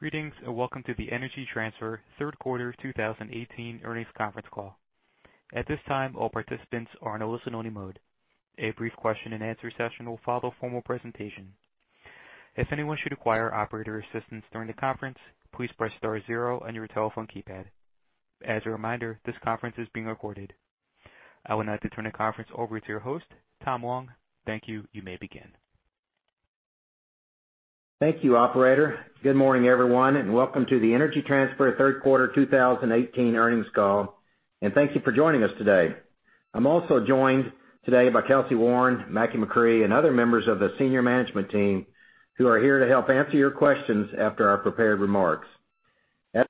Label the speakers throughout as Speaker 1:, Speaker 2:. Speaker 1: Greetings, welcome to the Energy Transfer third quarter 2018 earnings conference call. At this time, all participants are in listen only mode. A brief question-and-answer session will follow formal presentation. If anyone should require operator assistance during the conference, please press star zero on your telephone keypad. As a reminder, this conference is being recorded. I would now like to turn the conference over to your host, Tom Long. Thank you. You may begin.
Speaker 2: Thank you, operator. Good morning, everyone, welcome to the Energy Transfer third quarter 2018 earnings call. Thank you for joining us today. I'm also joined today by Kelcy Warren, Mackie McCrea, and other members of the senior management team who are here to help answer your questions after our prepared remarks. As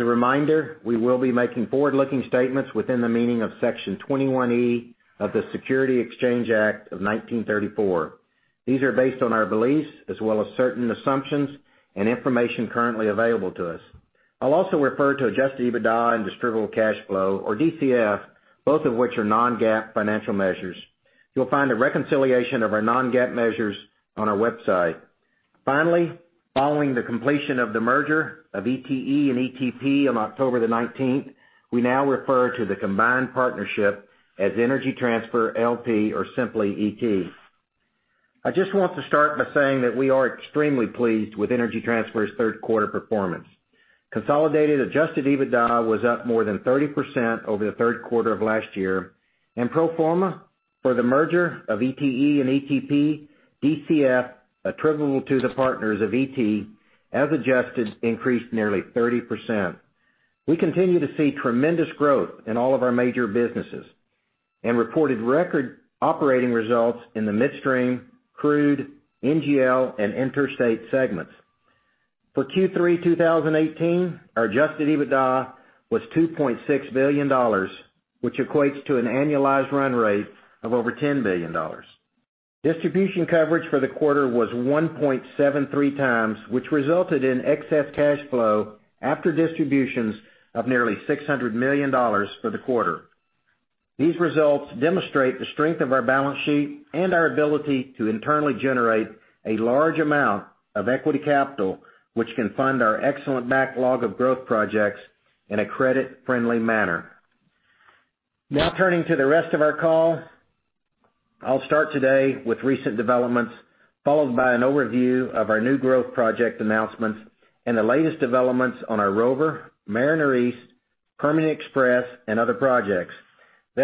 Speaker 2: a reminder, we will be making forward-looking statements within the meaning of Section 21E of the Securities Exchange Act of 1934. These are based on our beliefs as well as certain assumptions and information currently available to us. I'll also refer to adjusted EBITDA and distributable cash flow or DCF, both of which are non-GAAP financial measures. You'll find a reconciliation of our non-GAAP measures on our website. Following the completion of the merger of ETE and ETP on October 19th, we now refer to the combined partnership as Energy Transfer LP or simply ET. I just want to start by saying that we are extremely pleased with Energy Transfer's third quarter performance. Consolidated adjusted EBITDA was up more than 30% over the third quarter of last year, pro forma for the merger of ETE and ETP, DCF attributable to the partners of ET, as adjusted, increased nearly 30%. We continue to see tremendous growth in all of our major businesses and reported record operating results in the midstream, crude, NGL, and interstate segments. For Q3 2018, our adjusted EBITDA was $2.6 billion, which equates to an annualized run rate of over $10 billion. Distribution coverage for the quarter was 1.73x, which resulted in excess cash flow after distributions of nearly $600 million for the quarter. These results demonstrate the strength of our balance sheet and our ability to internally generate a large amount of equity capital, which can fund our excellent backlog of growth projects in a credit-friendly manner. Turning to the rest of our call. I'll start today with recent developments, followed by an overview of our new growth project announcements and the latest developments on our Rover, Mariner East, Permian Express, and other projects.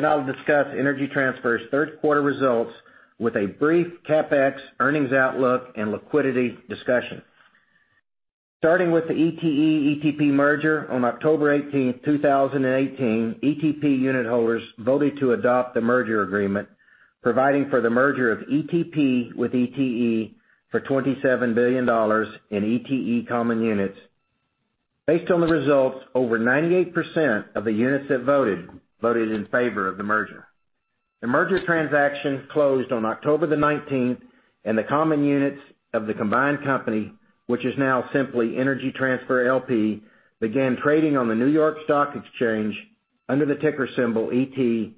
Speaker 2: I'll discuss Energy Transfer's third quarter results with a brief CapEx earnings outlook and liquidity discussion. Starting with the ETE-ETP merger on October 18th, 2018, ETP unitholders voted to adopt the merger agreement, providing for the merger of ETP with ETE for $27 billion in ETE common units. Based on the results, over 98% of the units that voted in favor of the merger. The merger transaction closed on October the 19th, and the common units of the combined company, which is now simply Energy Transfer LP, began trading on the New York Stock Exchange under the ticker symbol ET.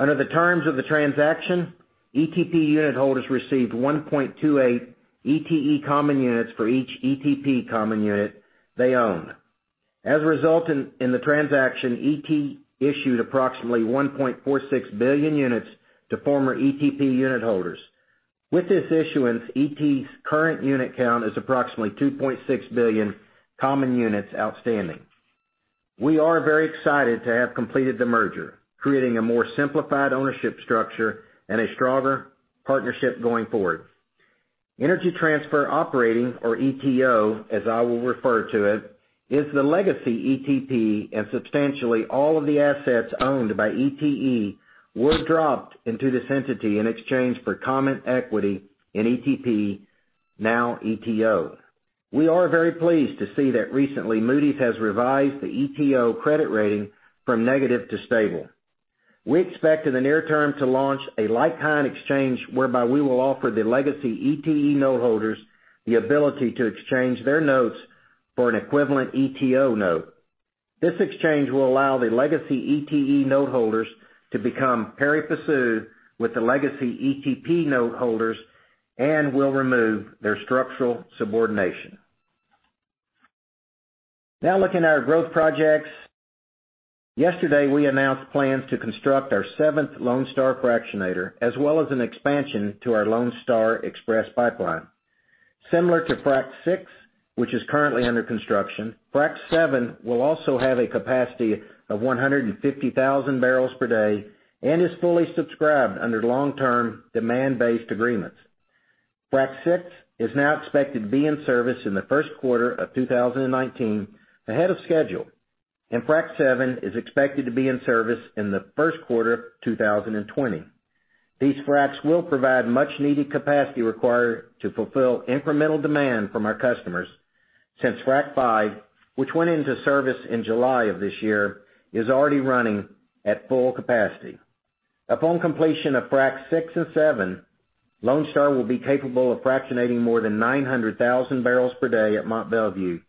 Speaker 2: Under the terms of the transaction, ETP unitholders received 1.28 ETE common units for each ETP common unit they owned. As a result in the transaction, ET issued approximately 1.46 billion units to former ETP unitholders. With this issuance, ET's current unit count is approximately 2.6 billion common units outstanding. We are very excited to have completed the merger, creating a more simplified ownership structure and a stronger partnership going forward. Energy Transfer Operating, or ETO, as I will refer to it, is the legacy ETP and substantially all of the assets owned by ETE were dropped into this entity in exchange for common equity in ETP, now ETO. We are very pleased to see that recently Moody's has revised the ETO credit rating from negative to stable. We expect in the near term to launch a like-kind exchange whereby we will offer the legacy ETE note holders the ability to exchange their notes for an equivalent ETO note. This exchange will allow the legacy ETE note holders to become pari passu with the legacy ETP note holders and will remove their structural subordination. Now looking at our growth projects. Yesterday, we announced plans to construct our seventh Lone Star fractionator, as well as an expansion to our Lone Star Express pipeline. Similar to Frac VI, which is currently under construction, Frac VII will also have a capacity of 150,000 bpd and is fully subscribed under long-term demand-based agreements. Frac VI is now expected to be in service in the first quarter of 2019, ahead of schedule, and Frac VII is expected to be in service in the first quarter of 2020. These Fracs will provide much needed capacity required to fulfill incremental demand from our customers since Frac V, which went into service in July of this year, is already running at full capacity. Upon completion of Fracs VI and VII, Lone Star will be capable of fractionating more than 900,000 bpd at Mont Belvieu.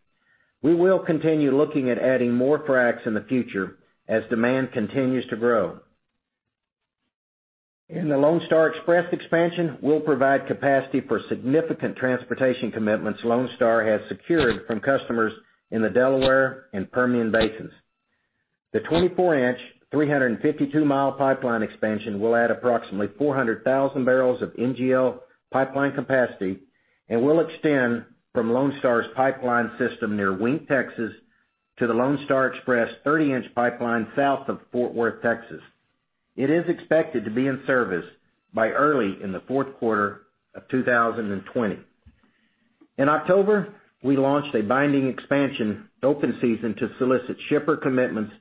Speaker 2: The Lone Star Express expansion will provide capacity for significant transportation commitments Lone Star has secured from customers in the Delaware and Permian Basins. The 24-in, 352-mi pipeline expansion will add approximately 400,000 bbls of NGL pipeline capacity and will extend from Lone Star's pipeline system near Wink, Texas, to the Lone Star Express 30-in pipeline south of Fort Worth, Texas. It is expected to be in service by early in the fourth quarter of 2020. In October, we launched a binding expansion open season to solicit shipper commitments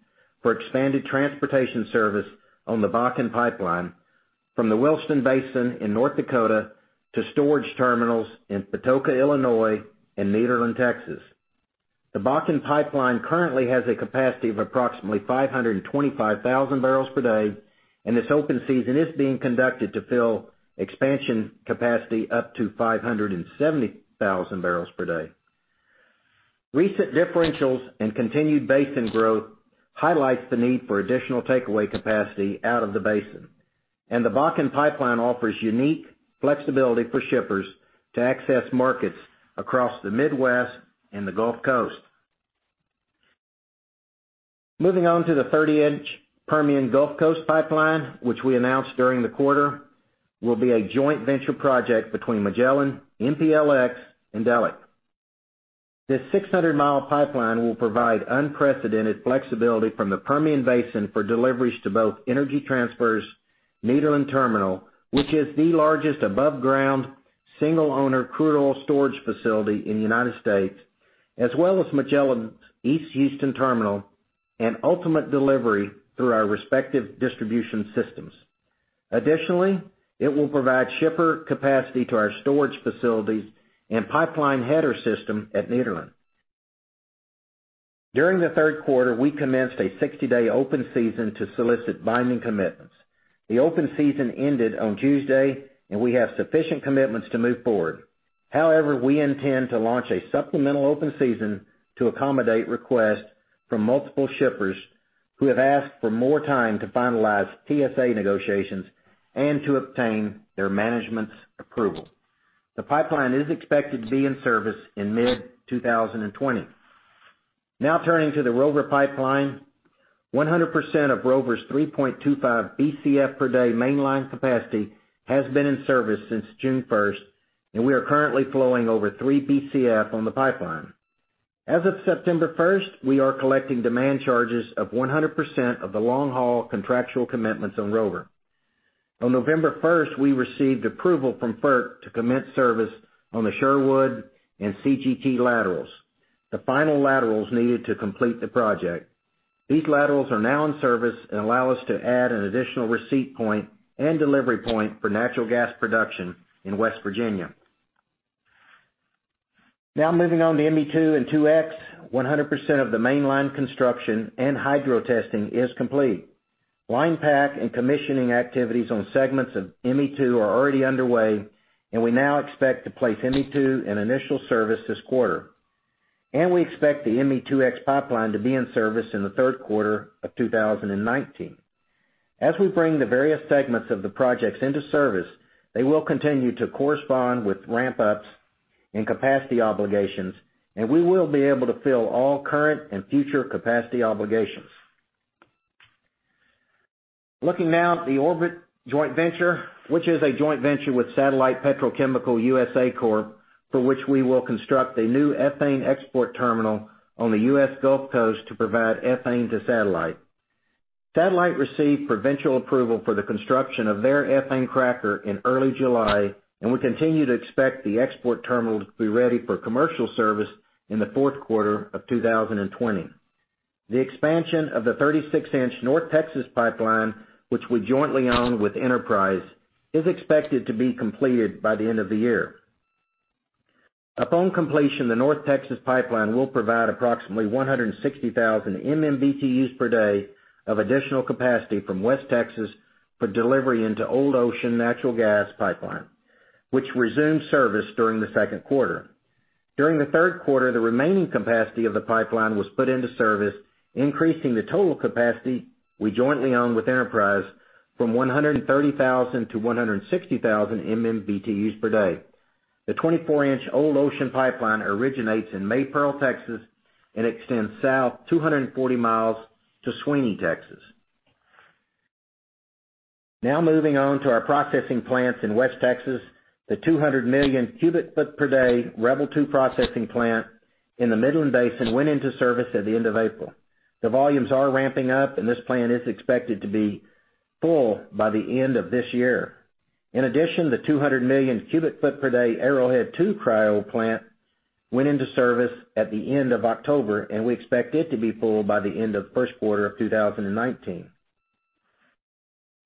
Speaker 2: for expanded transportation service on the Bakken Pipeline from the Williston Basin in North Dakota to storage terminals in Patoka, Illinois, and Nederland, Texas. The Bakken Pipeline currently has a capacity of approximately 525,000 bpd. This open season is being conducted to fill expansion capacity up to 570,000 bpd. Recent differentials and continued basin growth highlights the need for additional takeaway capacity out of the basin. The Bakken Pipeline offers unique flexibility for shippers to access markets across the Midwest and the Gulf Coast. Moving on to the 30-in Permian Gulf Coast pipeline, which we announced during the quarter, will be a joint venture project between Magellan, MPLX, and Delek. This 600-mi pipeline will provide unprecedented flexibility from the Permian Basin for deliveries to both Energy Transfer's Nederland terminal, which is the largest aboveground single-owner crude oil storage facility in the U.S., as well as Magellan's East Houston terminal and ultimate delivery through our respective distribution systems. Additionally, it will provide shipper capacity to our storage facilities and pipeline header system at Nederland. During the third quarter, we commenced a 60-day open season to solicit binding commitments. The open season ended on Tuesday. We have sufficient commitments to move forward. However, we intend to launch a supplemental open season to accommodate requests from multiple shippers who have asked for more time to finalize TSA negotiations and to obtain their management's approval. The pipeline is expected to be in service in mid-2020. Now turning to the Rover Pipeline, 100% of Rover's 3.25 Bcf per day mainline capacity has been in service since June 1st. We are currently flowing over 3 Bcf on the pipeline. As of September 1st, we are collecting demand charges of 100% of the long-haul contractual commitments on Rover. On November 1st, we received approval from FERC to commence service on the Sherwood and CGT laterals, the final laterals needed to complete the project. These laterals are now in service and allow us to add an additional receipt point and delivery point for natural gas production in West Virginia. Now moving on to ME2 and 2X, 100% of the mainline construction and hydro testing is complete. Line pack and commissioning activities on segments of ME2 are already underway. We now expect to place ME2 in initial service this quarter. We expect the ME2X pipeline to be in service in the third quarter of 2019. As we bring the various segments of the projects into service, they will continue to correspond with ramp-ups in capacity obligations. We will be able to fill all current and future capacity obligations. Looking now at the Orbit joint venture, which is a joint venture with Satellite Petrochemical USA Corp, for which we will construct a new ethane export terminal on the U.S. Gulf Coast to provide ethane to Satellite. Satellite received provincial approval for the construction of their ethane cracker in early July. We continue to expect the export terminal to be ready for commercial service in the fourth quarter of 2020. The expansion of the 36-in North Texas Pipeline, which we jointly own with Enterprise, is expected to be completed by the end of the year. Upon completion, the North Texas Pipeline will provide approximately 160,000 MMBtus per day of additional capacity from West Texas for delivery into Old Ocean Natural Gas Pipeline, which resumed service during the second quarter. During the third quarter, the remaining capacity of the pipeline was put into service, increasing the total capacity we jointly own with Enterprise from 130,000 to 160,000 MMBtus per day. The 24-in Old Ocean Pipeline originates in Maypearl, Texas, and extends south 240 mi to Sweeney, Texas. Moving on to our processing plants in West Texas. The 200 MMcf/d Rebel II processing plant in the Midland Basin went into service at the end of April. The volumes are ramping up, and this plant is expected to be full by the end of this year. In addition, the 200 MMcf/d Arrowhead II cryo plant went into service at the end of October, and we expect it to be full by the end of first quarter of 2019.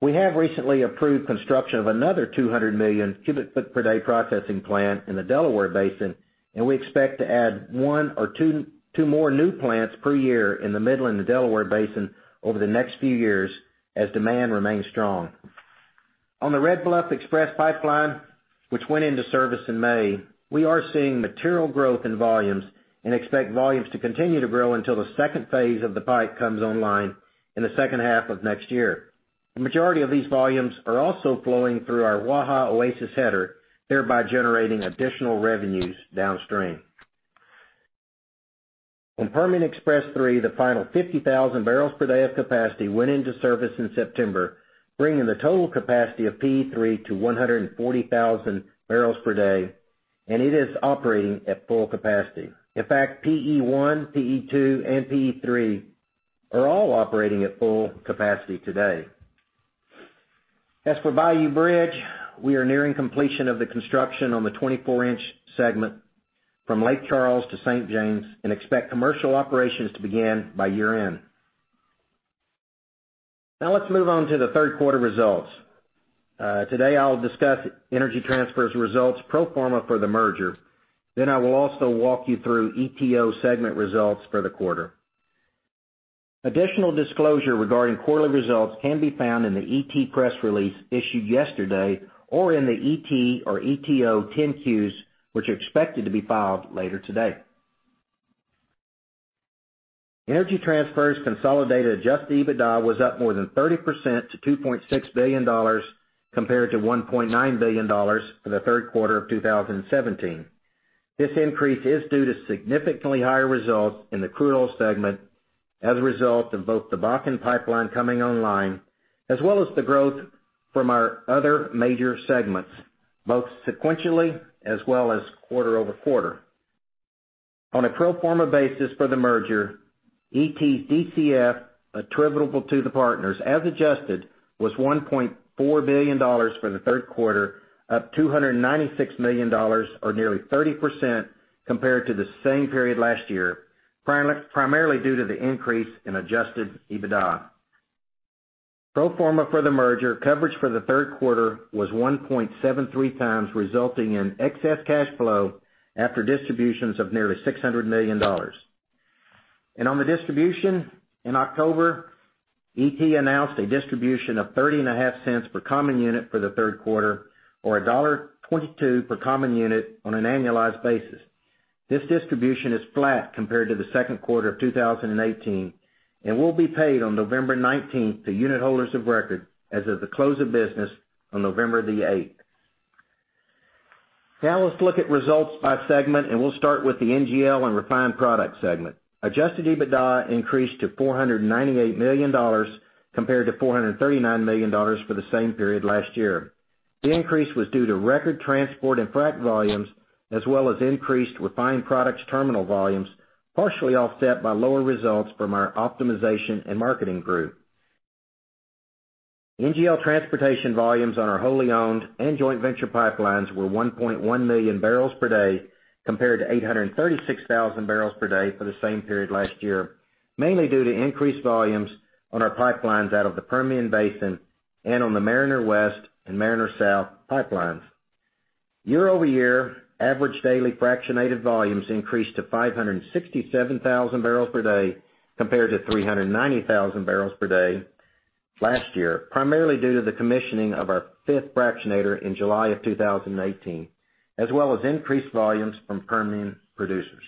Speaker 2: We have recently approved construction of another 200 MMcf/d processing plant in the Delaware Basin, and we expect to add one or two more new plants per year in the Midland and Delaware Basin over the next few years as demand remains strong. On the Red Bluff Express Pipeline, which went into service in May, we are seeing material growth in volumes and expect volumes to continue to grow until the second phase of the pipe comes online in the second half of next year. The majority of these volumes are also flowing through our Waha Oasis Header, thereby generating additional revenues downstream. On Permian Express 3, the final 50,000 bpd of capacity went into service in September, bringing the total capacity of PE3 to 140,000 bpd, and it is operating at full capacity. In fact, PE1, PE2, and PE3 are all operating at full capacity today. As for Bayou Bridge, we are nearing completion of the construction on the 24-in segment from Lake Charles to St. James and expect commercial operations to begin by year-end. Let's move on to the third quarter results. Today, I'll discuss Energy Transfer's results pro forma for the merger. I will also walk you through ETO segment results for the quarter. Additional disclosure regarding quarterly results can be found in the ET press release issued yesterday or in the ET or ETO 10-Qs, which are expected to be filed later today. Energy Transfer's consolidated adjusted EBITDA was up more than 30% to $2.6 billion, compared to $1.9 billion for the third quarter of 2017. This increase is due to significantly higher results in the crude oil segment as a result of both the Bakken Pipeline coming online, as well as the growth from our other major segments, both sequentially as well as quarter-over-quarter. On a pro forma basis for the merger, ET DCF attributable to the partners, as adjusted, was $1.4 billion for the third quarter, up $296 million or nearly 30% compared to the same period last year, primarily due to the increase in adjusted EBITDA. Pro forma for the merger, coverage for the third quarter was 1.73 times, resulting in excess cash flow after distributions of nearly $600 million. On the distribution in October, ET announced a distribution of $0.305 per common unit for the third quarter or $1.22 per common unit on an annualized basis. Let's look at results by segment, and we'll start with the NGL and refined products segment. Adjusted EBITDA increased to $498 million compared to $439 million for the same period last year. The increase was due to record transport and frac volumes, as well as increased refined products terminal volumes, partially offset by lower results from our optimization and marketing group. NGL transportation volumes on our wholly owned and joint venture pipelines were 1.1 million barrels per day compared to 836,000 bpd for the same period last year, mainly due to increased volumes on our pipelines out of the Permian Basin and on the Mariner West and Mariner South pipelines. Year-over-year average daily fractionated volumes increased to 567,000 bpd, compared to 390,000 bpd last year, primarily due to the commissioning of our fifth fractionator in July of 2018, as well as increased volumes from Permian producers.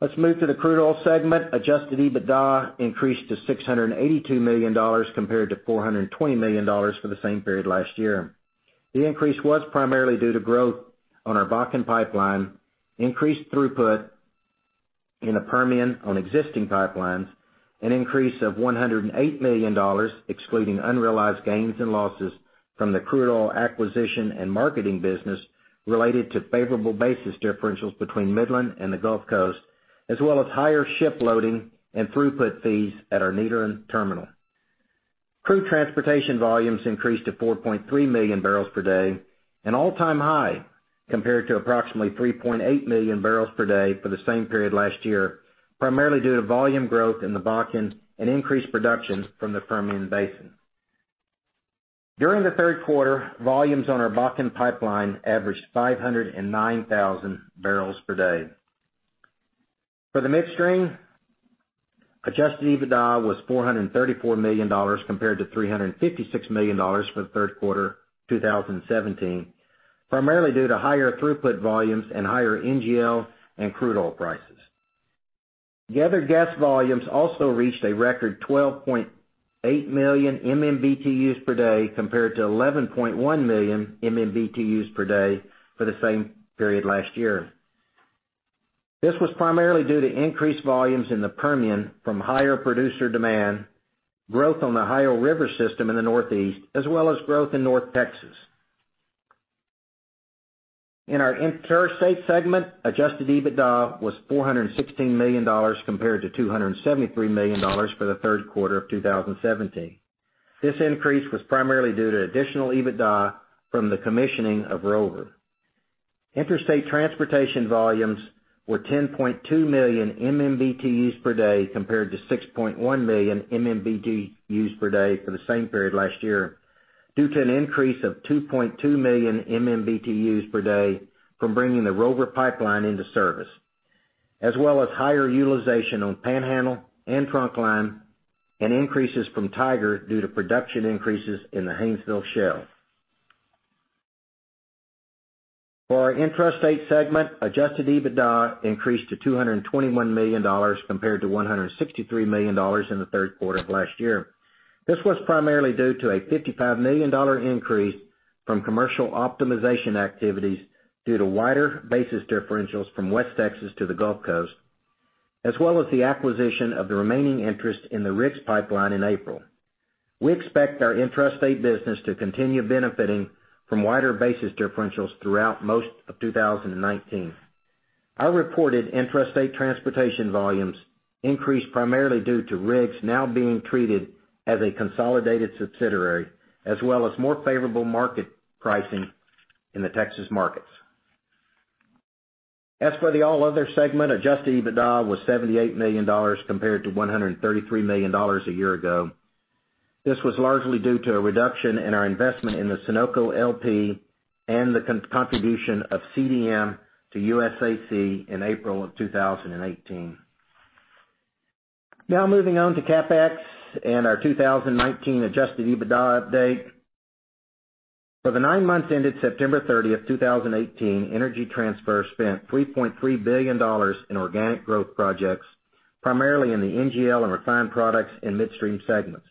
Speaker 2: Let's move to the crude oil segment. Adjusted EBITDA increased to $682 million, compared to $420 million for the same period last year. The increase was primarily due to growth on our Bakken Pipeline, increased throughput in the Permian on existing pipelines, an increase of $108 million, excluding unrealized gains and losses from the crude oil acquisition and marketing business related to favorable basis differentials between Midland and the Gulf Coast, as well as higher ship loading and throughput fees at our Nederland terminal. Crude transportation volumes increased to 4.3 million barrels per day, an all-time high compared to approximately 3.8 million barrels per day for the same period last year, primarily due to volume growth in the Bakken and increased production from the Permian Basin. During the third quarter, volumes on our Bakken Pipeline averaged 509,000 bpd. For the midstream, adjusted EBITDA was $434 million compared to $356 million for the third quarter 2017, primarily due to higher throughput volumes and higher NGL and crude oil prices. Gathered gas volumes also reached a record 12.8 million MMBtus per day, compared to 11.1 million MMBtus per day for the same period last year. This was primarily due to increased volumes in the Permian from higher producer demand, growth on the Ohio River system in the Northeast, as well as growth in North Texas. In our interstate segment, adjusted EBITDA was $416 million compared to $273 million for the third quarter of 2017. This increase was primarily due to additional EBITDA from the commissioning of Rover. Interstate transportation volumes were 10.2 million MMBtus per day compared to 6.1 million MMBtus per day for the same period last year, due to an increase of 2.2 million MMBtus per day from bringing the Rover Pipeline into service. As well as higher utilization on Panhandle and Trunkline, and increases from Tiger due to production increases in the Haynesville Shale. For our Intrastate segment, adjusted EBITDA increased to $221 million compared to $163 million in the third quarter of last year. This was primarily due to a $55 million increase from commercial optimization activities due to wider basis differentials from West Texas to the Gulf Coast, as well as the acquisition of the remaining interest in the RIGS pipeline in April. We expect our intrastate business to continue benefiting from wider basis differentials throughout most of 2019. Our reported intrastate transportation volumes increased primarily due to RIGS now being treated as a consolidated subsidiary, as well as more favorable market pricing in the Texas markets. As for the All Other segment, adjusted EBITDA was $78 million compared to $133 million a year ago. This was largely due to a reduction in our investment in the Sunoco LP and the contribution of CDM to USAC in April 2018. Now moving on to CapEx and our 2019 adjusted EBITDA update. For the nine months ended September 30, 2018, Energy Transfer spent $3.3 billion in organic growth projects, primarily in the NGL and refined products in midstream segments.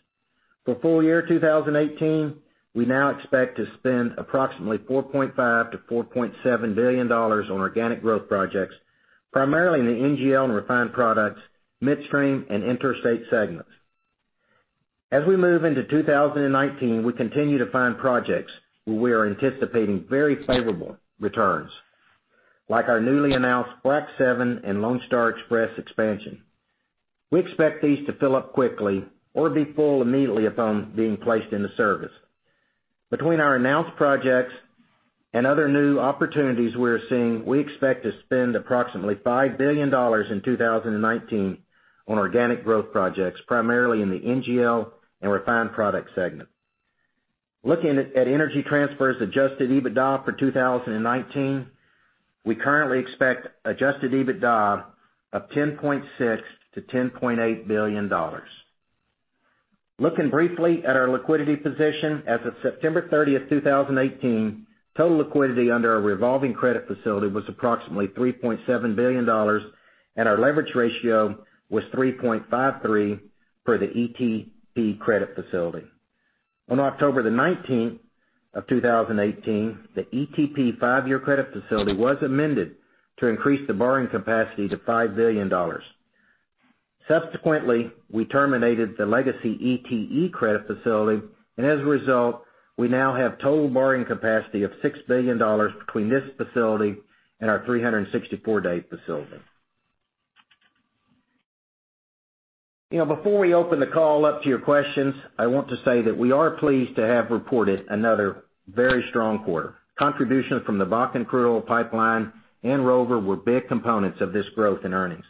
Speaker 2: For full year 2018, we now expect to spend approximately $4.5 billion-$4.7 billion on organic growth projects, primarily in the NGL and refined products, midstream, and interstate segments. As we move into 2019, we continue to find projects where we are anticipating very favorable returns, like our newly announced Frac VII and Lone Star Express expansion. We expect these to fill up quickly or be full immediately upon being placed into service. Between our announced projects and other new opportunities we're seeing, we expect to spend approximately $5 billion in 2019 on organic growth projects, primarily in the NGL and refined products segment. Looking at Energy Transfer's adjusted EBITDA for 2019, we currently expect adjusted EBITDA of $10.6 billion-$10.8 billion. Looking briefly at our liquidity position as of September 30, 2018, total liquidity under our revolving credit facility was approximately $3.7 billion, and our leverage ratio was 3.53 for the ETP credit facility. On October 19, 2018, the ETP five-year credit facility was amended to increase the borrowing capacity to $5 billion. Subsequently, we terminated the legacy ETE credit facility, and as a result, we now have total borrowing capacity of $6 billion between this facility and our 364-day facility. Before we open the call up to your questions, I want to say that we are pleased to have reported another very strong quarter. Contributions from the Bakken Crude Oil Pipeline and Rover were big components of this growth in earnings.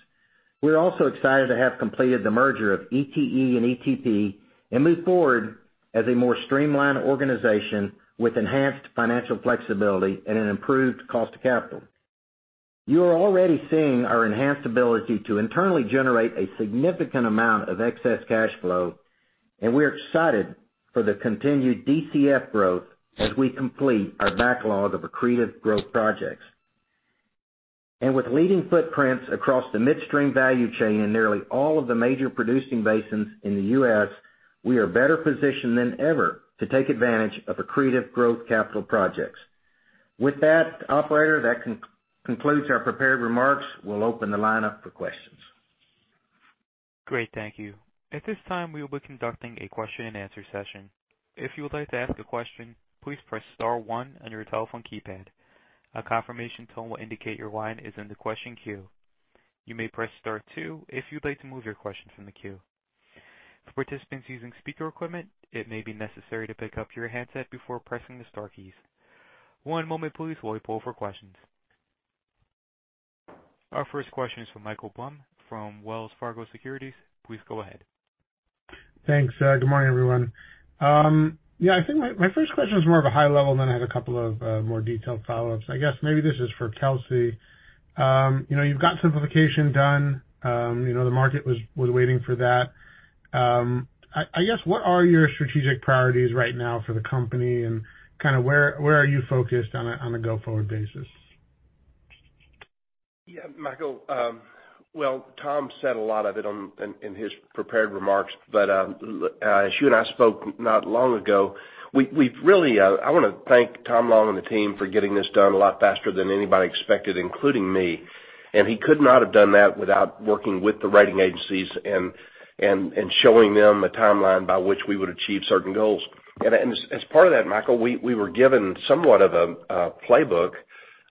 Speaker 2: We're also excited to have completed the merger of ETE and ETP and move forward as a more streamlined organization with enhanced financial flexibility and an improved cost of capital. You are already seeing our enhanced ability to internally generate a significant amount of excess cash flow, and we are excited for the continued DCF growth as we complete our backlog of accretive growth projects. With leading footprints across the midstream value chain in nearly all of the major producing basins in the U.S., we are better positioned than ever to take advantage of accretive growth capital projects. With that, operator, that concludes our prepared remarks. We'll open the line up for questions.
Speaker 1: Great. Thank you. At this time, we will be conducting a question-and-answer session. If you would like to ask a question, please press star one on your telephone keypad. A confirmation tone will indicate your line is in the question queue. You may press star two if you'd like to move your question from the queue. For participants using speaker equipment, it may be necessary to pick up your handset before pressing the star keys. One moment please while we poll for questions. Our first question is from Michael Blum from Wells Fargo Securities. Please go ahead.
Speaker 3: Thanks. Good morning, everyone. I think my first question is more of a high level, then I have a couple of more detailed follow-ups. I guess maybe this is for Kelcy. You've got simplification done. The market was waiting for that. I guess, what are your strategic priorities right now for the company, and where are you focused on a go-forward basis?
Speaker 4: Michael. Tom said a lot of it in his prepared remarks, but as you and I spoke not long ago, I want to thank Tom Long and the team for getting this done a lot faster than anybody expected, including me. He could not have done that without working with the rating agencies and showing them a timeline by which we would achieve certain goals. As part of that, Michael, we were given somewhat of a playbook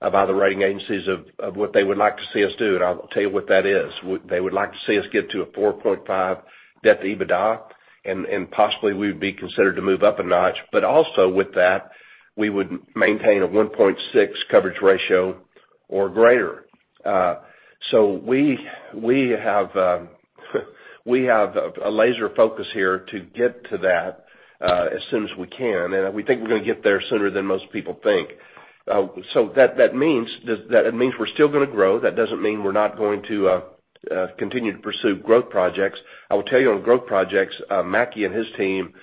Speaker 4: by the rating agencies of what they would like to see us do, and I'll tell you what that is. They would like to see us get to a 4.5 debt to EBITDA, and possibly we'd be considered to move up a notch. Also with that, we would maintain a 1.6 coverage ratio or greater. We have We have a laser focus here to get to that as soon as we can, and we think we're going to get there sooner than most people think. That means we're still going to grow. That doesn't mean we're not going to continue to pursue growth projects. I will tell you on growth projects, Mackie and his team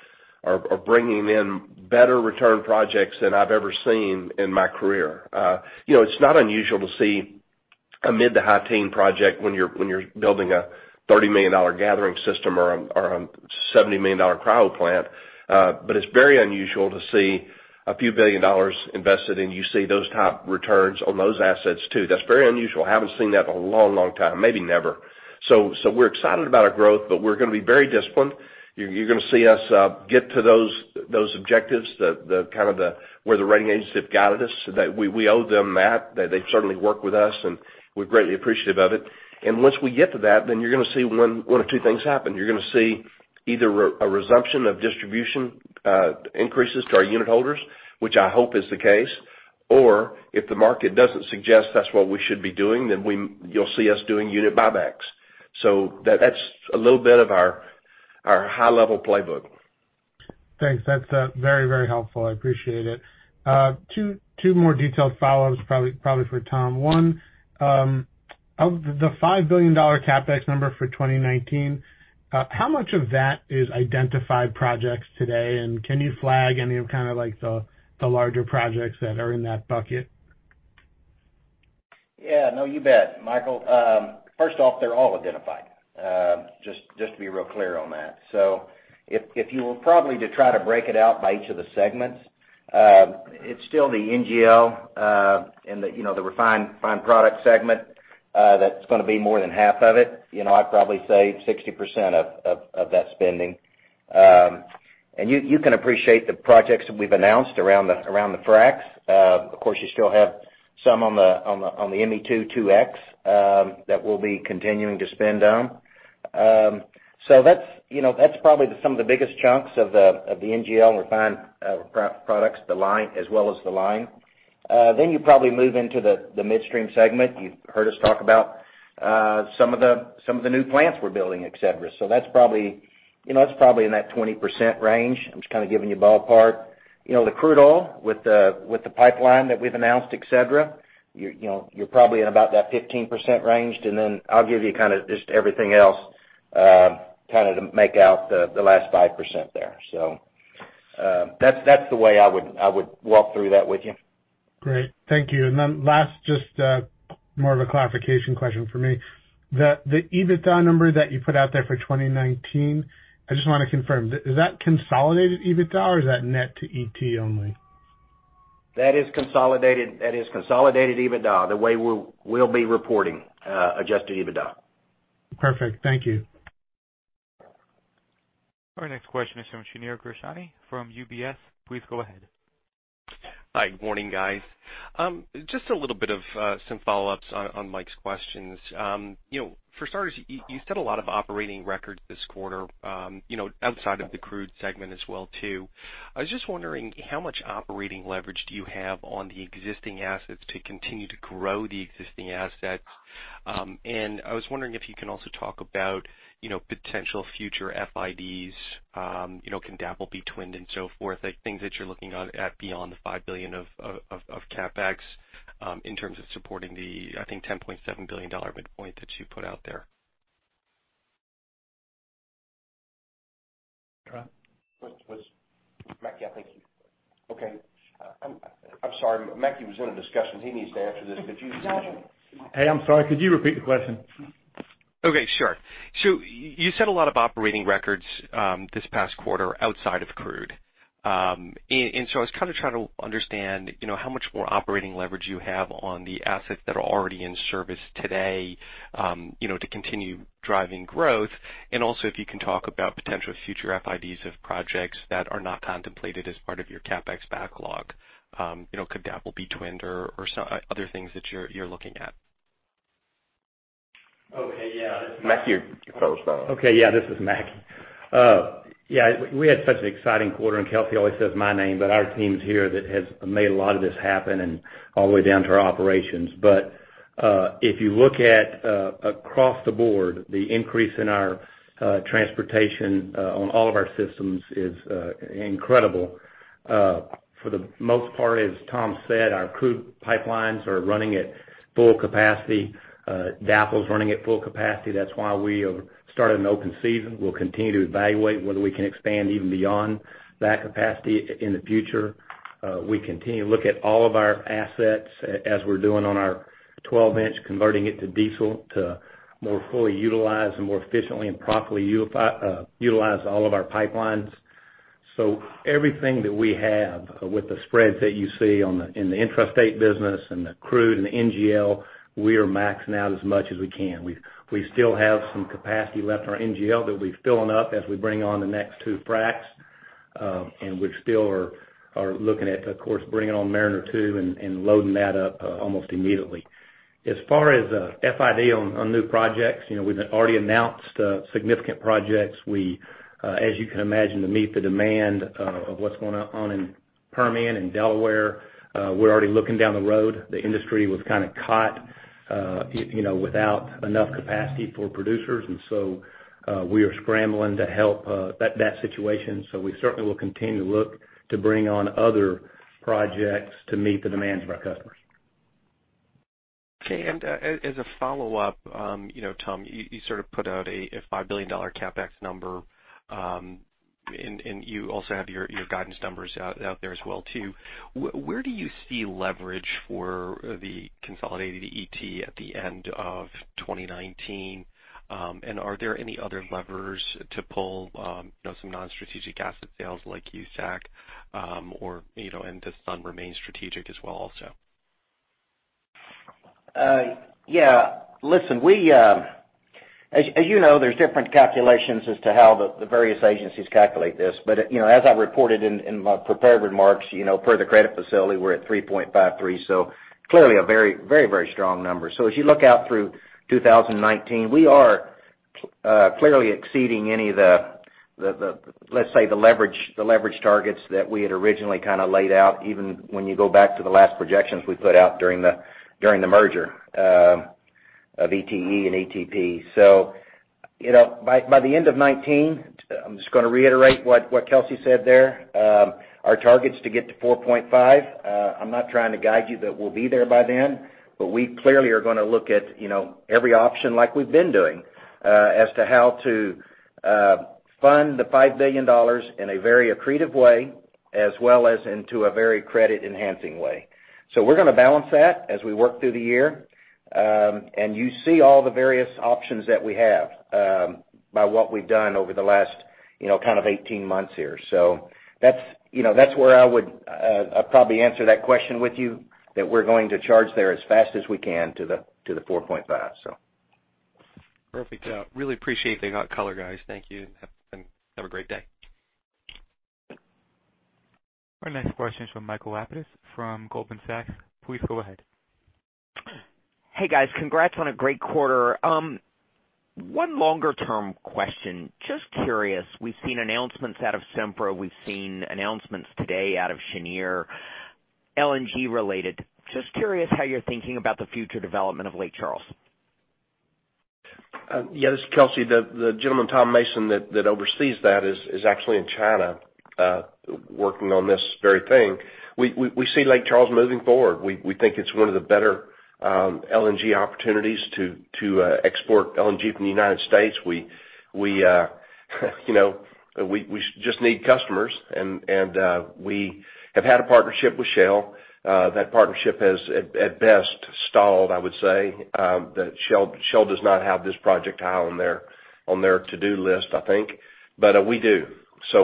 Speaker 4: are bringing in better return projects than I've ever seen in my career. It's not unusual to see a mid to high teen project when you're building a $30 million gathering system or a $70 million cryo plant. It's very unusual to see a few billion dollars invested, and you see those type returns on those assets, too. That's very unusual. I haven't seen that in a long time. Maybe never. We're excited about our growth, but we're going to be very disciplined. You're going to see us get to those objectives, where the rating agencies have guided us. We owe them that. They've certainly worked with us, and we're greatly appreciative of it. Once we get to that, you're going to see one of two things happen. You're going to see either a resumption of distribution increases to our unit holders, which I hope is the case. If the market doesn't suggest that's what we should be doing, you'll see us doing unit buybacks. That's a little bit of our high-level playbook.
Speaker 3: Thanks. That's very helpful. I appreciate it. Two more detailed follow-ups probably for Tom. One, of the $5 billion CapEx number for 2019, how much of that is identified projects today, and can you flag any of the larger projects that are in that bucket?
Speaker 5: Yeah. No, you bet, Michael. First off, they're all identified. Just to be real clear on that. If you will probably to try to break it out by each of the segments, it's still the NGL, and the refined product segment that's going to be more than half of it. I'd probably say 60% of that spending. You can appreciate the projects that we've announced around the fracs. Of course, you still have some on the ME2 2X that we'll be continuing to spend on. That's probably some of the biggest chunks of the NGL refined products, as well as the line. You probably move into the midstream segment. You've heard us talk about some of the new plants we're building, et cetera. That's probably in that 20% range. I'm just kind of giving you ballpark. The crude oil with the pipeline that we've announced, et cetera, you're probably in about that 15% range. I'll give you kind of just everything else, kind of to make out the last 5% there. That's the way I would walk through that with you.
Speaker 3: Great. Thank you. Last, just more of a clarification question for me. The EBITDA number that you put out there for 2019, I just want to confirm. Is that consolidated EBITDA or is that net to ET only?
Speaker 5: That is consolidated. That is consolidated EBITDA, the way we'll be reporting adjusted EBITDA.
Speaker 3: Perfect. Thank you.
Speaker 1: Our next question is from Shneur Gershuni from UBS. Please go ahead.
Speaker 6: Hi. Good morning, guys. Just a little bit of some follow-ups on Mike's questions. For starters, you set a lot of operating records this quarter outside of the crude segment as well too. I was just wondering how much operating leverage do you have on the existing assets to continue to grow the existing assets? I was wondering if you can also talk about potential future FIDs. Can DAPL be twinned and so forth? Things that you're looking at beyond the $5 billion of CapEx in terms of supporting the, I think, $10.7 billion midpoint that you put out there.
Speaker 4: Mack, yeah, thank you. Okay. I'm sorry. Mackie was in a discussion. He needs to answer this, but you-
Speaker 6: Got it.
Speaker 5: Hey, I'm sorry. Could you repeat the question?
Speaker 6: Okay, sure. You set a lot of operating records this past quarter outside of crude. I was kind of trying to understand how much more operating leverage you have on the assets that are already in service today to continue driving growth, and also if you can talk about potential future FIDs of projects that are not contemplated as part of your CapEx backlog. Could DAPL be twinned or other things that you are looking at?
Speaker 2: Okay, yeah.
Speaker 4: Mackie, your phone's dying.
Speaker 5: Okay, this is Mackie. We had such an exciting quarter, and Kelcy always says my name, but our teams here that have made a lot of this happen and all the way down to our operations. If you look at across the board, the increase in our transportation on all of our systems is incredible. For the most part, as Tom said, our crude pipelines are running at full capacity. DAPL's running at full capacity. That's why we started an open season. We'll continue to evaluate whether we can expand even beyond that capacity in the future. We continue to look at all of our assets as we're doing on our 12-in, converting it to diesel to more fully utilize and more efficiently and properly utilize all of our pipelines. Everything that we have with the spreads that you see in the intrastate business and the crude and the NGL, we are maxing out as much as we can. We still have some capacity left in our NGL that we're filling up as we bring on the next two fracs. We still are looking at, of course, bringing on Mariner 2 and loading that up almost immediately. As far as FID on new projects, we've already announced significant projects. As you can imagine, to meet the demand of what's going on in Permian and Delaware, we're already looking down the road. The industry was kind of caught without enough capacity for producers. We are scrambling to help that situation. We certainly will continue to look to bring on other projects to meet the demands of our customers.
Speaker 6: Okay. As a follow-up, Tom, you sort of put out a $5 billion CapEx number, and you also have your guidance numbers out there as well too. Where do you see leverage for the consolidated ET at the end of 2019? Are there any other levers to pull, some non-strategic asset sales like USAC, and does SUN remain strategic as well also?
Speaker 2: Listen, as you know, there's different calculations as to how the various agencies calculate this. As I reported in my prepared remarks, per the credit facility, we're at 3.53. Clearly a very strong number. As you look out through 2019, we are clearly exceeding any of the, let's say, the leverage targets that we had originally kind of laid out, even when you go back to the last projections we put out during the merger of ETE and ETP. By the end of 2019, I'm just going to reiterate what Kelcy said there, our target's to get to 4.5. I'm not trying to guide you that we'll be there by then, but we clearly are going to look at every option like we've been doing as to how to fund the $5 billion in a very accretive way, as well as into a very credit-enhancing way. We're going to balance that as we work through the year. You see all the various options that we have by what we've done over the last kind of 18 months here. That's where I would probably answer that question with you, that we're going to charge there as fast as we can to the 4.5.
Speaker 6: Perfect. Really appreciate the color, guys. Thank you. Have a great day.
Speaker 1: Our next question is from Michael Lapides from Goldman Sachs. Please go ahead.
Speaker 7: Hey, guys. Congrats on a great quarter. One longer-term question. Just curious, we've seen announcements out of Sempra, we've seen announcements today out of Cheniere, LNG related. Just curious how you're thinking about the future development of Lake Charles.
Speaker 4: This is Kelcy. The gentleman, Tom Mason, that oversees that is actually in China working on this very thing. We see Lake Charles moving forward. We think it's one of the better LNG opportunities to export LNG from the United States. We just need customers. We have had a partnership with Shell. That partnership has, at best, stalled, I would say. Shell does not have this project high on their to-do list, I think. We do.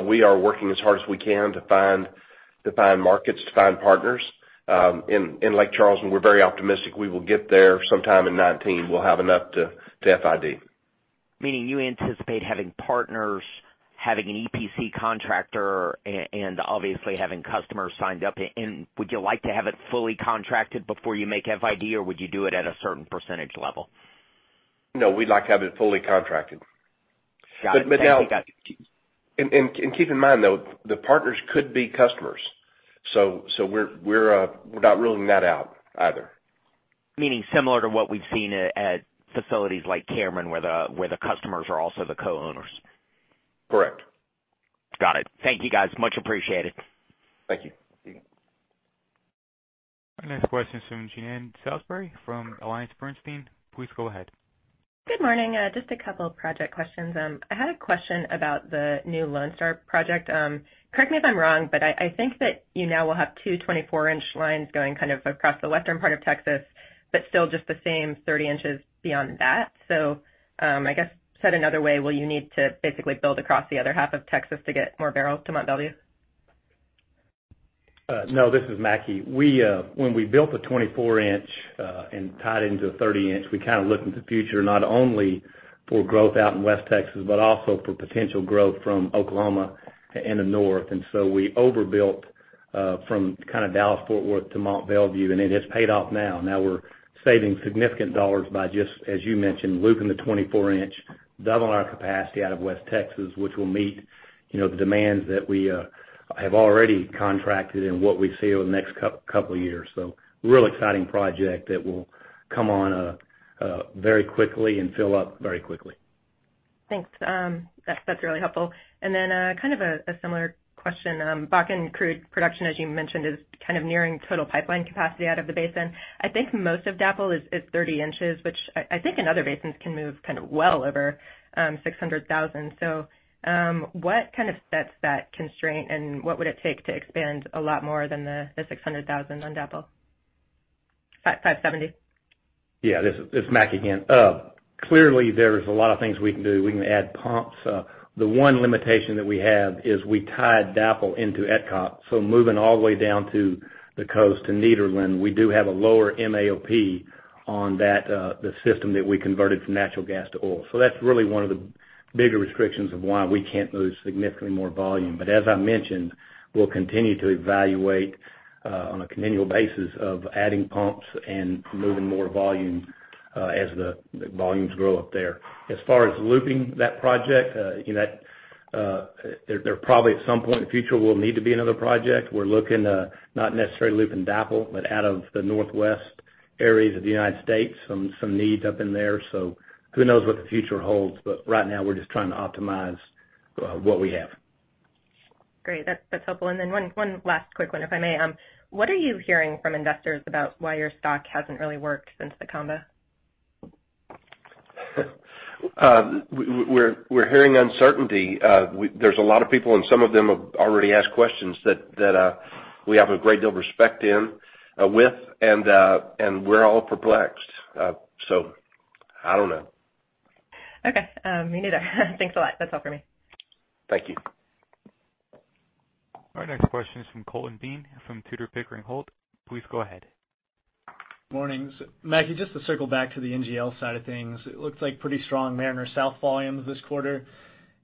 Speaker 4: We are working as hard as we can to find markets, to find partners in Lake Charles. We're very optimistic we will get there sometime in 2019. We'll have enough to FID.
Speaker 7: Meaning you anticipate having partners, having an EPC contractor, and obviously having customers signed up. Would you like to have it fully contracted before you make FID, or would you do it at a certain percentage level?
Speaker 4: No, we'd like to have it fully contracted.
Speaker 7: Got it. Thank you, guys.
Speaker 4: Keep in mind, though, the partners could be customers. We're not ruling that out either.
Speaker 7: Meaning similar to what we've seen at facilities like Cameron where the customers are also the co-owners.
Speaker 4: Correct.
Speaker 7: Got it. Thank you, guys. Much appreciated.
Speaker 4: Thank you.
Speaker 1: Our next question is from Jean Salisbury from AllianceBernstein. Please go ahead.
Speaker 8: Good morning. Just a couple of project questions. I had a question about the new Lone Star project. Correct me if I'm wrong, but I think that you now will have 224-in lines going kind of across the western part of Texas, but still just the same 30 in beyond that. I guess said another way, will you need to basically build across the other half of Texas to get more barrels to Mont Belvieu?
Speaker 5: No, this is Mackie. When we built the 24-in and tied into the 30-in, we kind of looked into the future not only for growth out in West Texas, but also for potential growth from Oklahoma and the north. We overbuilt from kind of Dallas-Fort Worth to Mont Belvieu, and it has paid off now. Now we're saving significant dollars by just, as you mentioned, looping the 24-in, doubling our capacity out of West Texas, which will meet the demands that we have already contracted and what we see over the next two years. Real exciting project that will come on very quickly and fill up very quickly.
Speaker 8: Thanks. That's really helpful. Kind of a similar question. Bakken crude production, as you mentioned, is kind of nearing total pipeline capacity out of the basin. I think most of DAPL is 30 in, which I think in other basins can move kind of well over 600,000. What kind of sets that constraint, and what would it take to expand a lot more than the 600,000 on DAPL? 570.
Speaker 5: Yeah. This is Mac again. Clearly, there's a lot of things we can do. We can add pumps. The one limitation that we have is we tied DAPL into ETCOP. Moving all the way down to the coast to Nederland, we do have a lower MAOP on the system that we converted from natural gas to oil. That's really one of the bigger restrictions of why we can't move significantly more volume. As I mentioned, we'll continue to evaluate on a continual basis of adding pumps and moving more volume as the volumes grow up there. As far as looping that project, there probably at some point in the future will need to be another project. We're looking to not necessarily loop in DAPL, but out of the Northwest areas of the U.S., some needs up in there. who knows what the future holds, but right now we're just trying to optimize what we have.
Speaker 8: Great. That's helpful. Then one last quick one, if I may. What are you hearing from investors about why your stock hasn't really worked since the combo?
Speaker 4: We're hearing uncertainty. There's a lot of people, some of them have already asked questions that we have a great deal of respect with, we're all perplexed. I don't know.
Speaker 8: Okay. Me neither. Thanks a lot. That's all for me.
Speaker 4: Thank you.
Speaker 1: Our next question is from Colton Bean, from Tudor, Pickering, Holt & Co. Please go ahead.
Speaker 9: Morning. Mackie, just to circle back to the NGL side of things, it looks like pretty strong Mariner South volumes this quarter.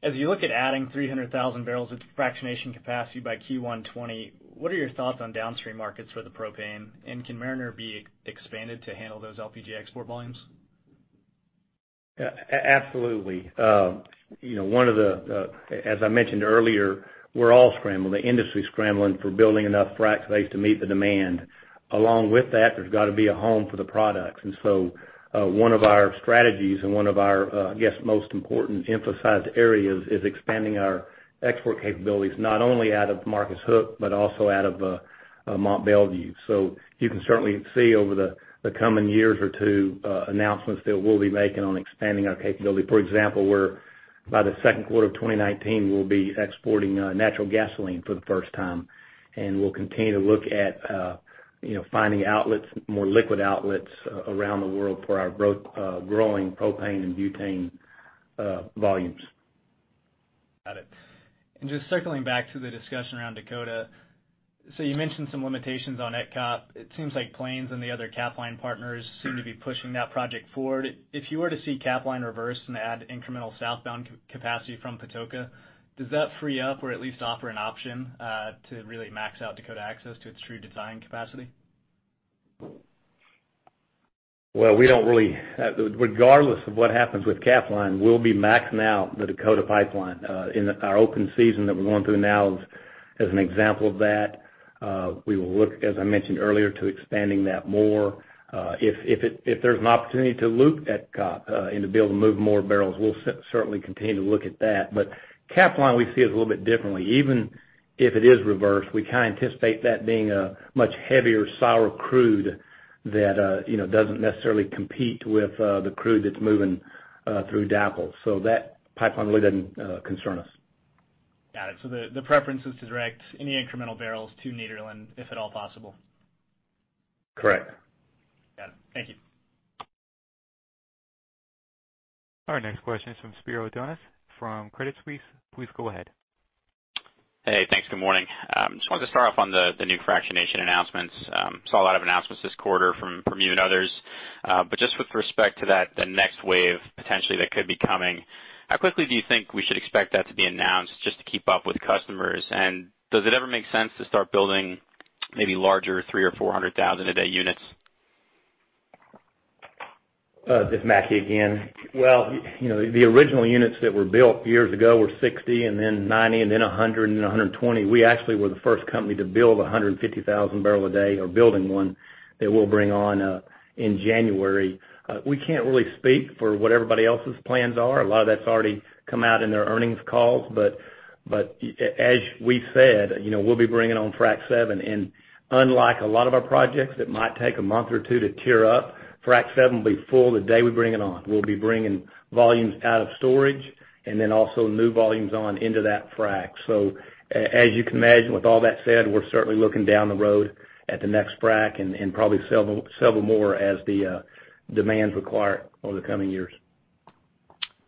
Speaker 9: As you look at adding 300,000 bbls of fractionation capacity by Q1 2020, what are your thoughts on downstream markets for the propane? Can Mariner be expanded to handle those LPG export volumes?
Speaker 5: Absolutely. As I mentioned earlier, we're all scrambling. The industry's scrambling for building enough fracs to meet the demand. Along with that, there's got to be a home for the products. One of our strategies and one of our, I guess, most important emphasized areas is expanding our export capabilities, not only out of Marcus Hook, but also out of Mont Belvieu. You can certainly see over the coming years or two, announcements that we'll be making on expanding our capability. For example, by the second quarter of 2019, we'll be exporting natural gasoline for the first time. We'll continue to look at finding outlets, more liquid outlets around the world for our growing propane and butane volumes.
Speaker 9: Got it. Just circling back to the discussion around Dakota. You mentioned some limitations on ETCOP. It seems like Plains and the other Capline partners seem to be pushing that project forward. If you were to see Capline reverse and add incremental southbound capacity from Patoka, does that free up or at least offer an option to really max out Dakota Access to its true design capacity?
Speaker 5: Well, regardless of what happens with Capline, we'll be maxing out the Dakota Access Pipeline. Our open season that we're going through now is an example of that. We will look, as I mentioned earlier, to expanding that more. If there's an opportunity to loop ETCOP and to be able to move more barrels, we'll certainly continue to look at that. Capline, we see it a little bit differently. Even if it is reversed, we kind of anticipate that being a much heavier sour crude that doesn't necessarily compete with the crude that's moving through DAPL. That pipeline really doesn't concern us.
Speaker 9: Got it. The preference is to direct any incremental barrels to Nederland, if at all possible.
Speaker 5: Correct.
Speaker 9: Got it. Thank you.
Speaker 1: Our next question is from Spiro Dounis from Credit Suisse. Please go ahead.
Speaker 10: Hey, thanks. Good morning. Just wanted to start off on the new fractionation announcements. Saw a lot of announcements this quarter from you and others. Just with respect to that, the next wave, potentially, that could be coming, how quickly do you think we should expect that to be announced just to keep up with customers? Does it ever make sense to start building maybe larger, 300,000 or 400,000 a day units?
Speaker 5: This is Mackie again. Well, the original units that were built years ago were 60, and then 90, and then 100, and then 120. We actually were the first company to build 150,000 barrel a day. We're building one that we'll bring on in January. We can't really speak for what everybody else's plans are. A lot of that's already come out in their earnings calls. As we said, we'll be bringing on Fractionator VII. Unlike a lot of our projects, that might take a month or two to tier up, Fractionator VII will be full the day we bring it on. We'll be bringing volumes out of storage and then also new volumes on into that frac. As you can imagine, with all that said, we're certainly looking down the road at the next frac and probably several more as the demands require over the coming years.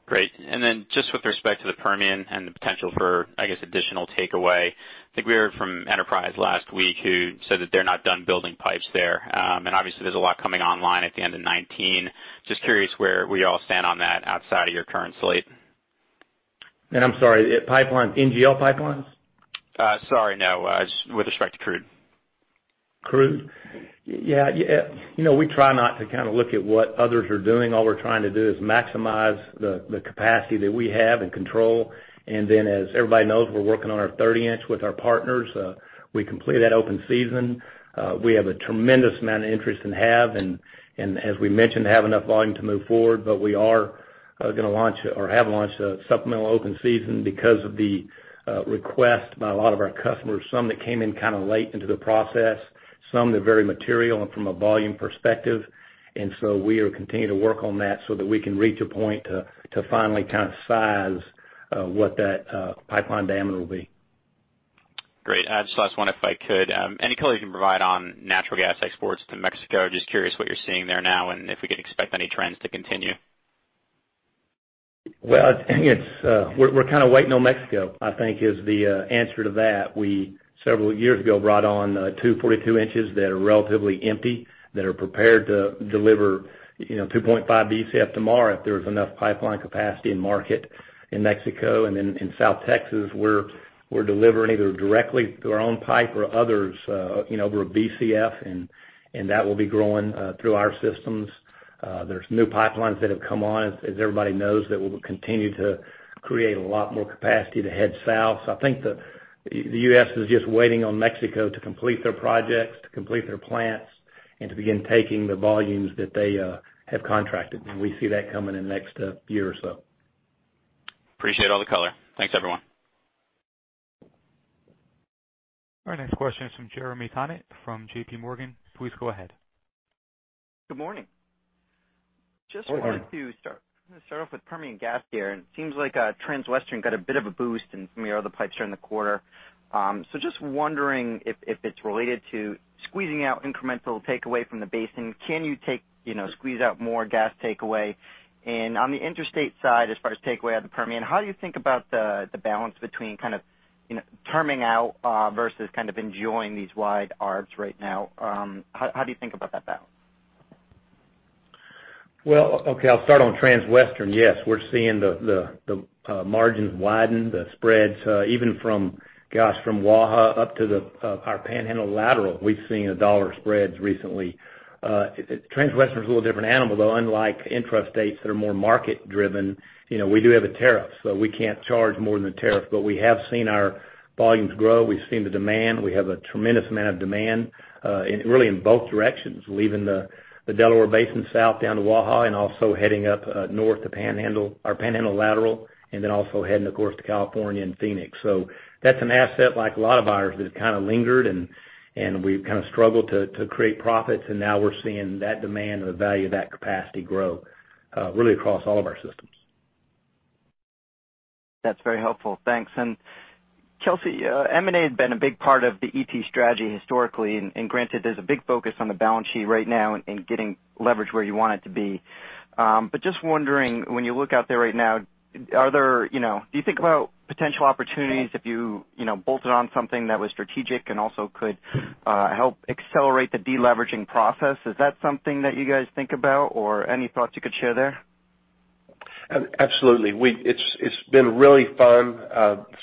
Speaker 10: Great. Then just with respect to the Permian and the potential for, I guess, additional takeaway. I think we heard from Enterprise last week, who said that they're not done building pipes there. Obviously, there's a lot coming online at the end of 2019. Just curious where y'all stand on that outside of your current slate.
Speaker 5: I'm sorry, NGL pipelines?
Speaker 10: Sorry. No. With respect to crude.
Speaker 5: Crude? Yeah. We try not to kind of look at what others are doing. All we're trying to do is maximize the capacity that we have and control. Then, as everybody knows, we're working on our 30-in with our partners. We completed that open season. We have a tremendous amount of interest and have, as we mentioned, have enough volume to move forward. We are gonna launch or have launched a supplemental open season because of the request by a lot of our customers, some that came in kind of late into the process, some that are very material and from a volume perspective. So we will continue to work on that so that we can reach a point to finally kind of size what that pipeline diameter will be.
Speaker 10: Great. Just last one if I could. Any color you can provide on natural gas exports to Mexico? Just curious what you're seeing there now, and if we could expect any trends to continue.
Speaker 5: Well, I think we're kind of waiting on Mexico, I think is the answer to that. We, several years ago, brought on two 42 in that are relatively empty, that are prepared to deliver 2.5 Bcf tomorrow if there was enough pipeline capacity in market in Mexico. In South Texas, we're delivering either directly through our own pipe or others, over a Bcf, and that will be growing through our systems. There's new pipelines that have come on, as everybody knows, that will continue to create a lot more capacity to head south. I think the U.S. is just waiting on Mexico to complete their projects, to complete their plants, and to begin taking the volumes that they have contracted. We see that coming in the next year or so.
Speaker 10: Appreciate all the color. Thanks, everyone.
Speaker 1: All right, next question is from Jeremy Tonet from JPMorgan. Please go ahead.
Speaker 11: Good morning.
Speaker 5: Good morning.
Speaker 11: Just wanted to start off with Permian Gas there. It seems like Transwestern got a bit of a boost from your other pipes during the quarter. Just wondering if it's related to squeezing out incremental takeaway from the basin. Can you squeeze out more gas takeaway? On the interstate side, as far as takeaway out of the Permian, how do you think about the balance between terming out versus enjoying these wide arbs right now? How do you think about that balance?
Speaker 5: Well, okay, I'll start on Transwestern. Yes, we're seeing the margins widen, the spreads, even from, gosh, from Waha up to our Panhandle Eastern Lateral. We've seen a dollar spreads recently. Transwestern's a little different animal, though. Unlike intrastates that are more market-driven, we do have a tariff, so we can't charge more than the tariff. We have seen our volumes grow. We've seen the demand. We have a tremendous amount of demand, really in both directions, leaving the Delaware Basin south down to Waha and also heading up north to our Panhandle Eastern Lateral, and then also heading, of course, to California and Phoenix. That's an asset like a lot of ours that kind of lingered, and we've kind of struggled to create profits, and now we're seeing that demand and the value of that capacity grow really across all of our systems.
Speaker 11: That's very helpful. Thanks. Kelcy, M&A has been a big part of the ET strategy historically, granted, there's a big focus on the balance sheet right now and getting leverage where you want it to be. Just wondering, when you look out there right now, do you think about potential opportunities if you bolted on something that was strategic and also could help accelerate the de-leveraging process? Is that something that you guys think about or any thoughts you could share there?
Speaker 4: Absolutely. It's been really fun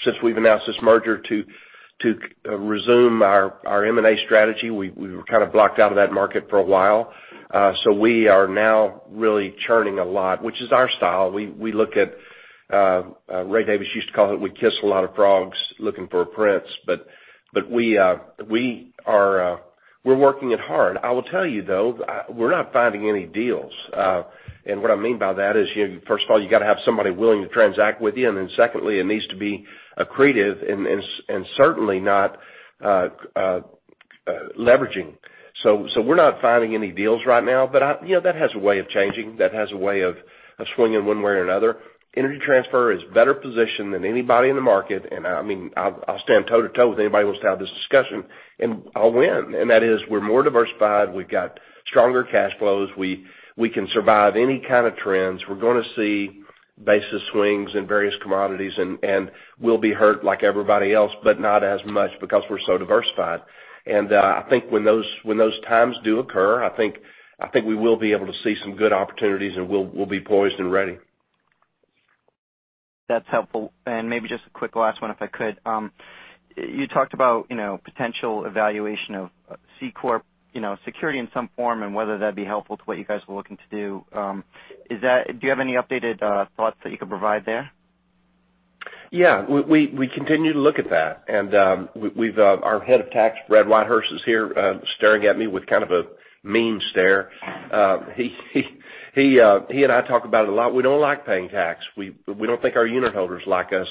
Speaker 4: since we've announced this merger to resume our M&A strategy. We were kind of blocked out of that market for a while. We are now really churning a lot, which is our style. Ray Davis used to call it, we kiss a lot of frogs looking for a prince. We're working it hard. I will tell you, though, we're not finding any deals. What I mean by that is, first of all, you got to have somebody willing to transact with you, then secondly, it needs to be accretive and certainly not leveraging. We're not finding any deals right now. That has a way of changing, that has a way of swinging one way or another. Energy Transfer is better positioned than anybody in the market, I'll stand toe-to-toe with anybody who wants to have this discussion, I'll win. That is, we're more diversified. We've got stronger cash flows. We can survive any kind of trends. We're going to see basis swings in various commodities, we'll be hurt like everybody else, not as much because we're so diversified. I think when those times do occur, I think we will be able to see some good opportunities, we'll be poised and ready.
Speaker 11: That's helpful. Maybe just a quick last one if I could. You talked about potential evaluation of C corp security in some form and whether that'd be helpful to what you guys were looking to do. Do you have any updated thoughts that you could provide there?
Speaker 4: We continue to look at that. Our head of tax, Brad Whitehurst, is here staring at me with kind of a mean stare. He and I talk about it a lot. We don't like paying tax. We don't think our unit holders like us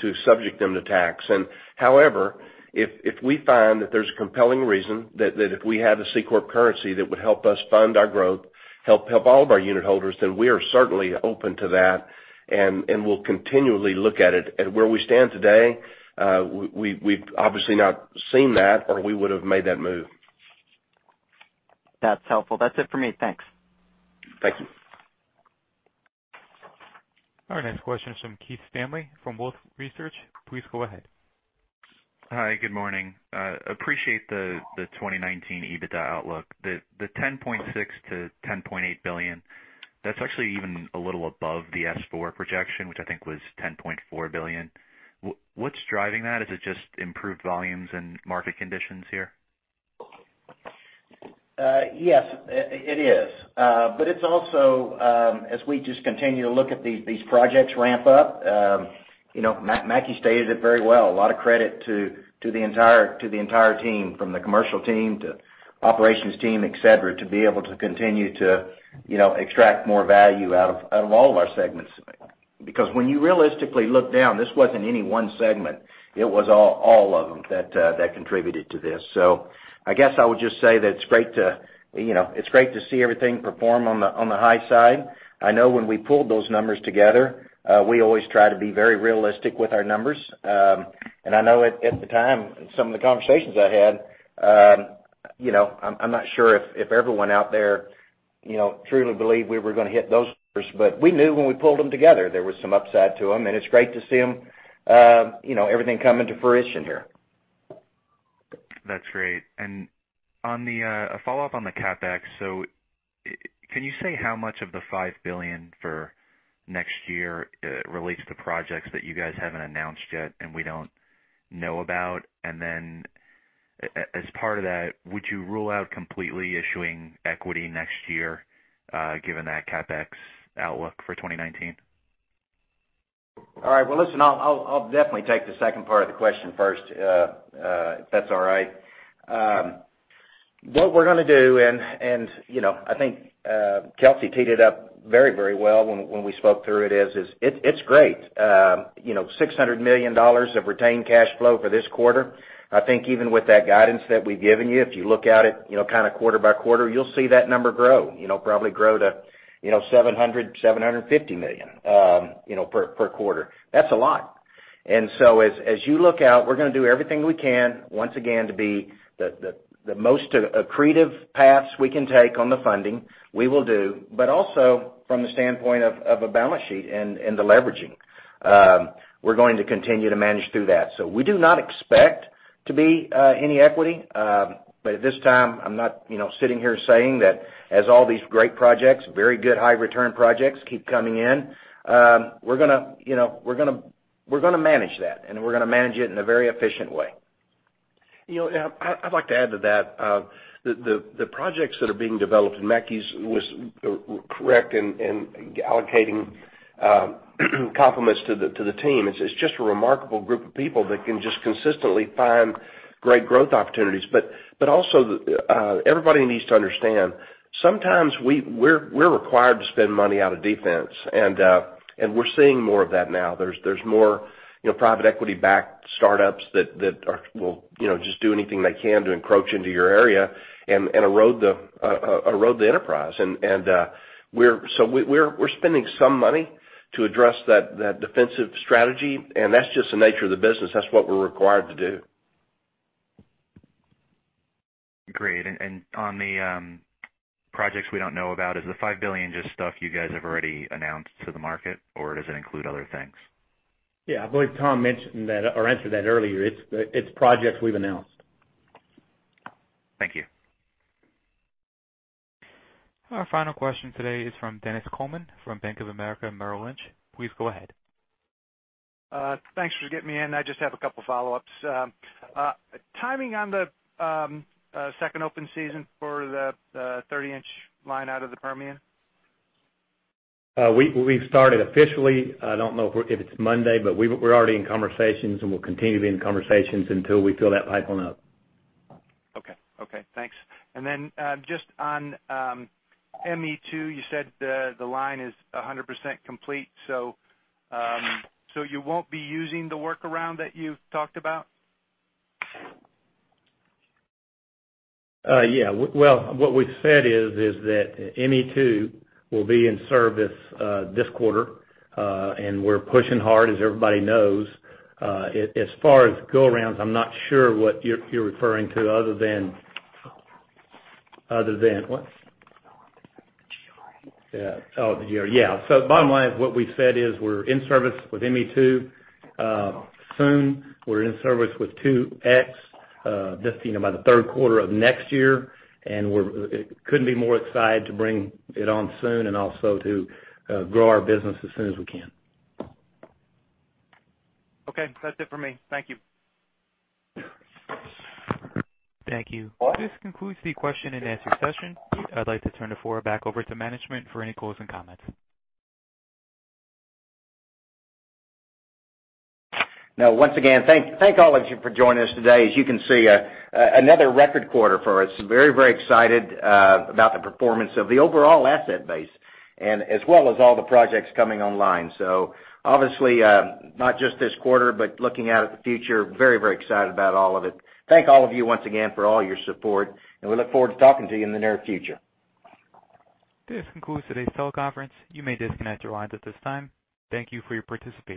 Speaker 4: to subject them to tax. However, if we find that there's a compelling reason that if we had a C corp currency that would help us fund our growth, help all of our unit holders, we are certainly open to that, and we'll continually look at it. Where we stand today, we've obviously not seen that, or we would have made that move.
Speaker 11: That's helpful. That's it for me. Thanks.
Speaker 4: Thank you.
Speaker 1: Next question is from Keith Stanley from Wolfe Research. Please go ahead.
Speaker 12: Hi, good morning. Appreciate the 2019 EBITDA outlook. The $10.6 billion-$10.8 billion, that's actually even a little above the S-4 projection, which I think was $10.4 billion. What's driving that? Is it just improved volumes and market conditions here?
Speaker 2: Yes, it is. It's also as we just continue to look at these projects ramp up. Mackie stated it very well. A lot of credit to the entire team, from the commercial team to operations team, et cetera, to be able to continue to extract more value out of all of our segments. When you realistically look down, this wasn't any one segment. It was all of them that contributed to this. I guess I would just say that it's great to see everything perform on the high side. I know when we pulled those numbers together, we always try to be very realistic with our numbers. I know at the time, some of the conversations I had, I'm not sure if everyone out there truly believed we were going to hit those numbers, but we knew when we pulled them together, there was some upside to them, and it's great to see everything coming to fruition here.
Speaker 12: That's great. A follow-up on the CapEx. Can you say how much of the $5 billion for next year relates to projects that you guys haven't announced yet and we don't know about? As part of that, would you rule out completely issuing equity next year, given that CapEx outlook for 2019?
Speaker 2: All right. Well, listen, I'll definitely take the second part of the question first, if that's all right. What we're going to do, I think Kelcy teed it up very well when we spoke through it, is it's great. $600 million of retained cash flow for this quarter. I think even with that guidance that we've given you, if you look at it kind of quarter by quarter, you'll see that number grow. Probably grow to $700 million-$750 million per quarter. That's a lot. As you look out, we're going to do everything we can, once again, to be the most accretive paths we can take on the funding, we will do. Also from the standpoint of a balance sheet and deleveraging. We're going to continue to manage through that. We do not expect to be any equity. At this time, I'm not sitting here saying that as all these great projects, very good high-return projects, keep coming in. We're going to manage that, and we're going to manage it in a very efficient way.
Speaker 4: I'd like to add to that. The projects that are being developed, Mackie was correct in allocating compliments to the team. It's just a remarkable group of people that can just consistently find great growth opportunities. Also, everybody needs to understand, sometimes we're required to spend money out of defense. We're seeing more of that now. There's more private equity-backed startups that will just do anything they can to encroach into your area and erode the enterprise. We're spending some money to address that defensive strategy, and that's just the nature of the business. That's what we're required to do.
Speaker 12: Great. On the projects we don't know about, is the $5 billion just stuff you guys have already announced to the market, or does it include other things?
Speaker 2: Yeah, I believe Tom mentioned that or answered that earlier. It's projects we've announced.
Speaker 12: Thank you.
Speaker 1: Our final question today is from Dennis Coleman from Bank of America Merrill Lynch. Please go ahead.
Speaker 13: Thanks for getting me in. I just have a couple of follow-ups. Timing on the second open season for the 30-in line out of the Permian?
Speaker 5: We've started officially. I don't know if it's Monday, but we're already in conversations. We'll continue to be in conversations until we fill that pipeline up.
Speaker 13: Okay. Thanks. Just on ME2, you said the line is 100% complete. You won't be using the workaround that you've talked about?
Speaker 5: Yeah. Well, what we've said is that ME2 will be in service this quarter. We're pushing hard, as everybody knows. As far as go arounds, I'm not sure what you're referring to other than What?
Speaker 4: The GR. Oh, the GR, yeah. Bottom line is what we've said is we're in service with ME2 soon. We're in service with 2X just by the third quarter of next year. We couldn't be more excited to bring it on soon and also to grow our business as soon as we can.
Speaker 13: That's it for me. Thank you.
Speaker 1: Thank you. This concludes the question-and answer session. I'd like to turn the floor back over to management for any closing comments.
Speaker 2: Once again, thank all of you for joining us today. As you can see, another record quarter for us. Very excited about the performance of the overall asset base and as well as all the projects coming online. Obviously, not just this quarter, but looking out at the future, very excited about all of it. Thank all of you once again for all your support, and we look forward to talking to you in the near future.
Speaker 1: This concludes today's teleconference. You may disconnect your lines at this time. Thank you for your participation.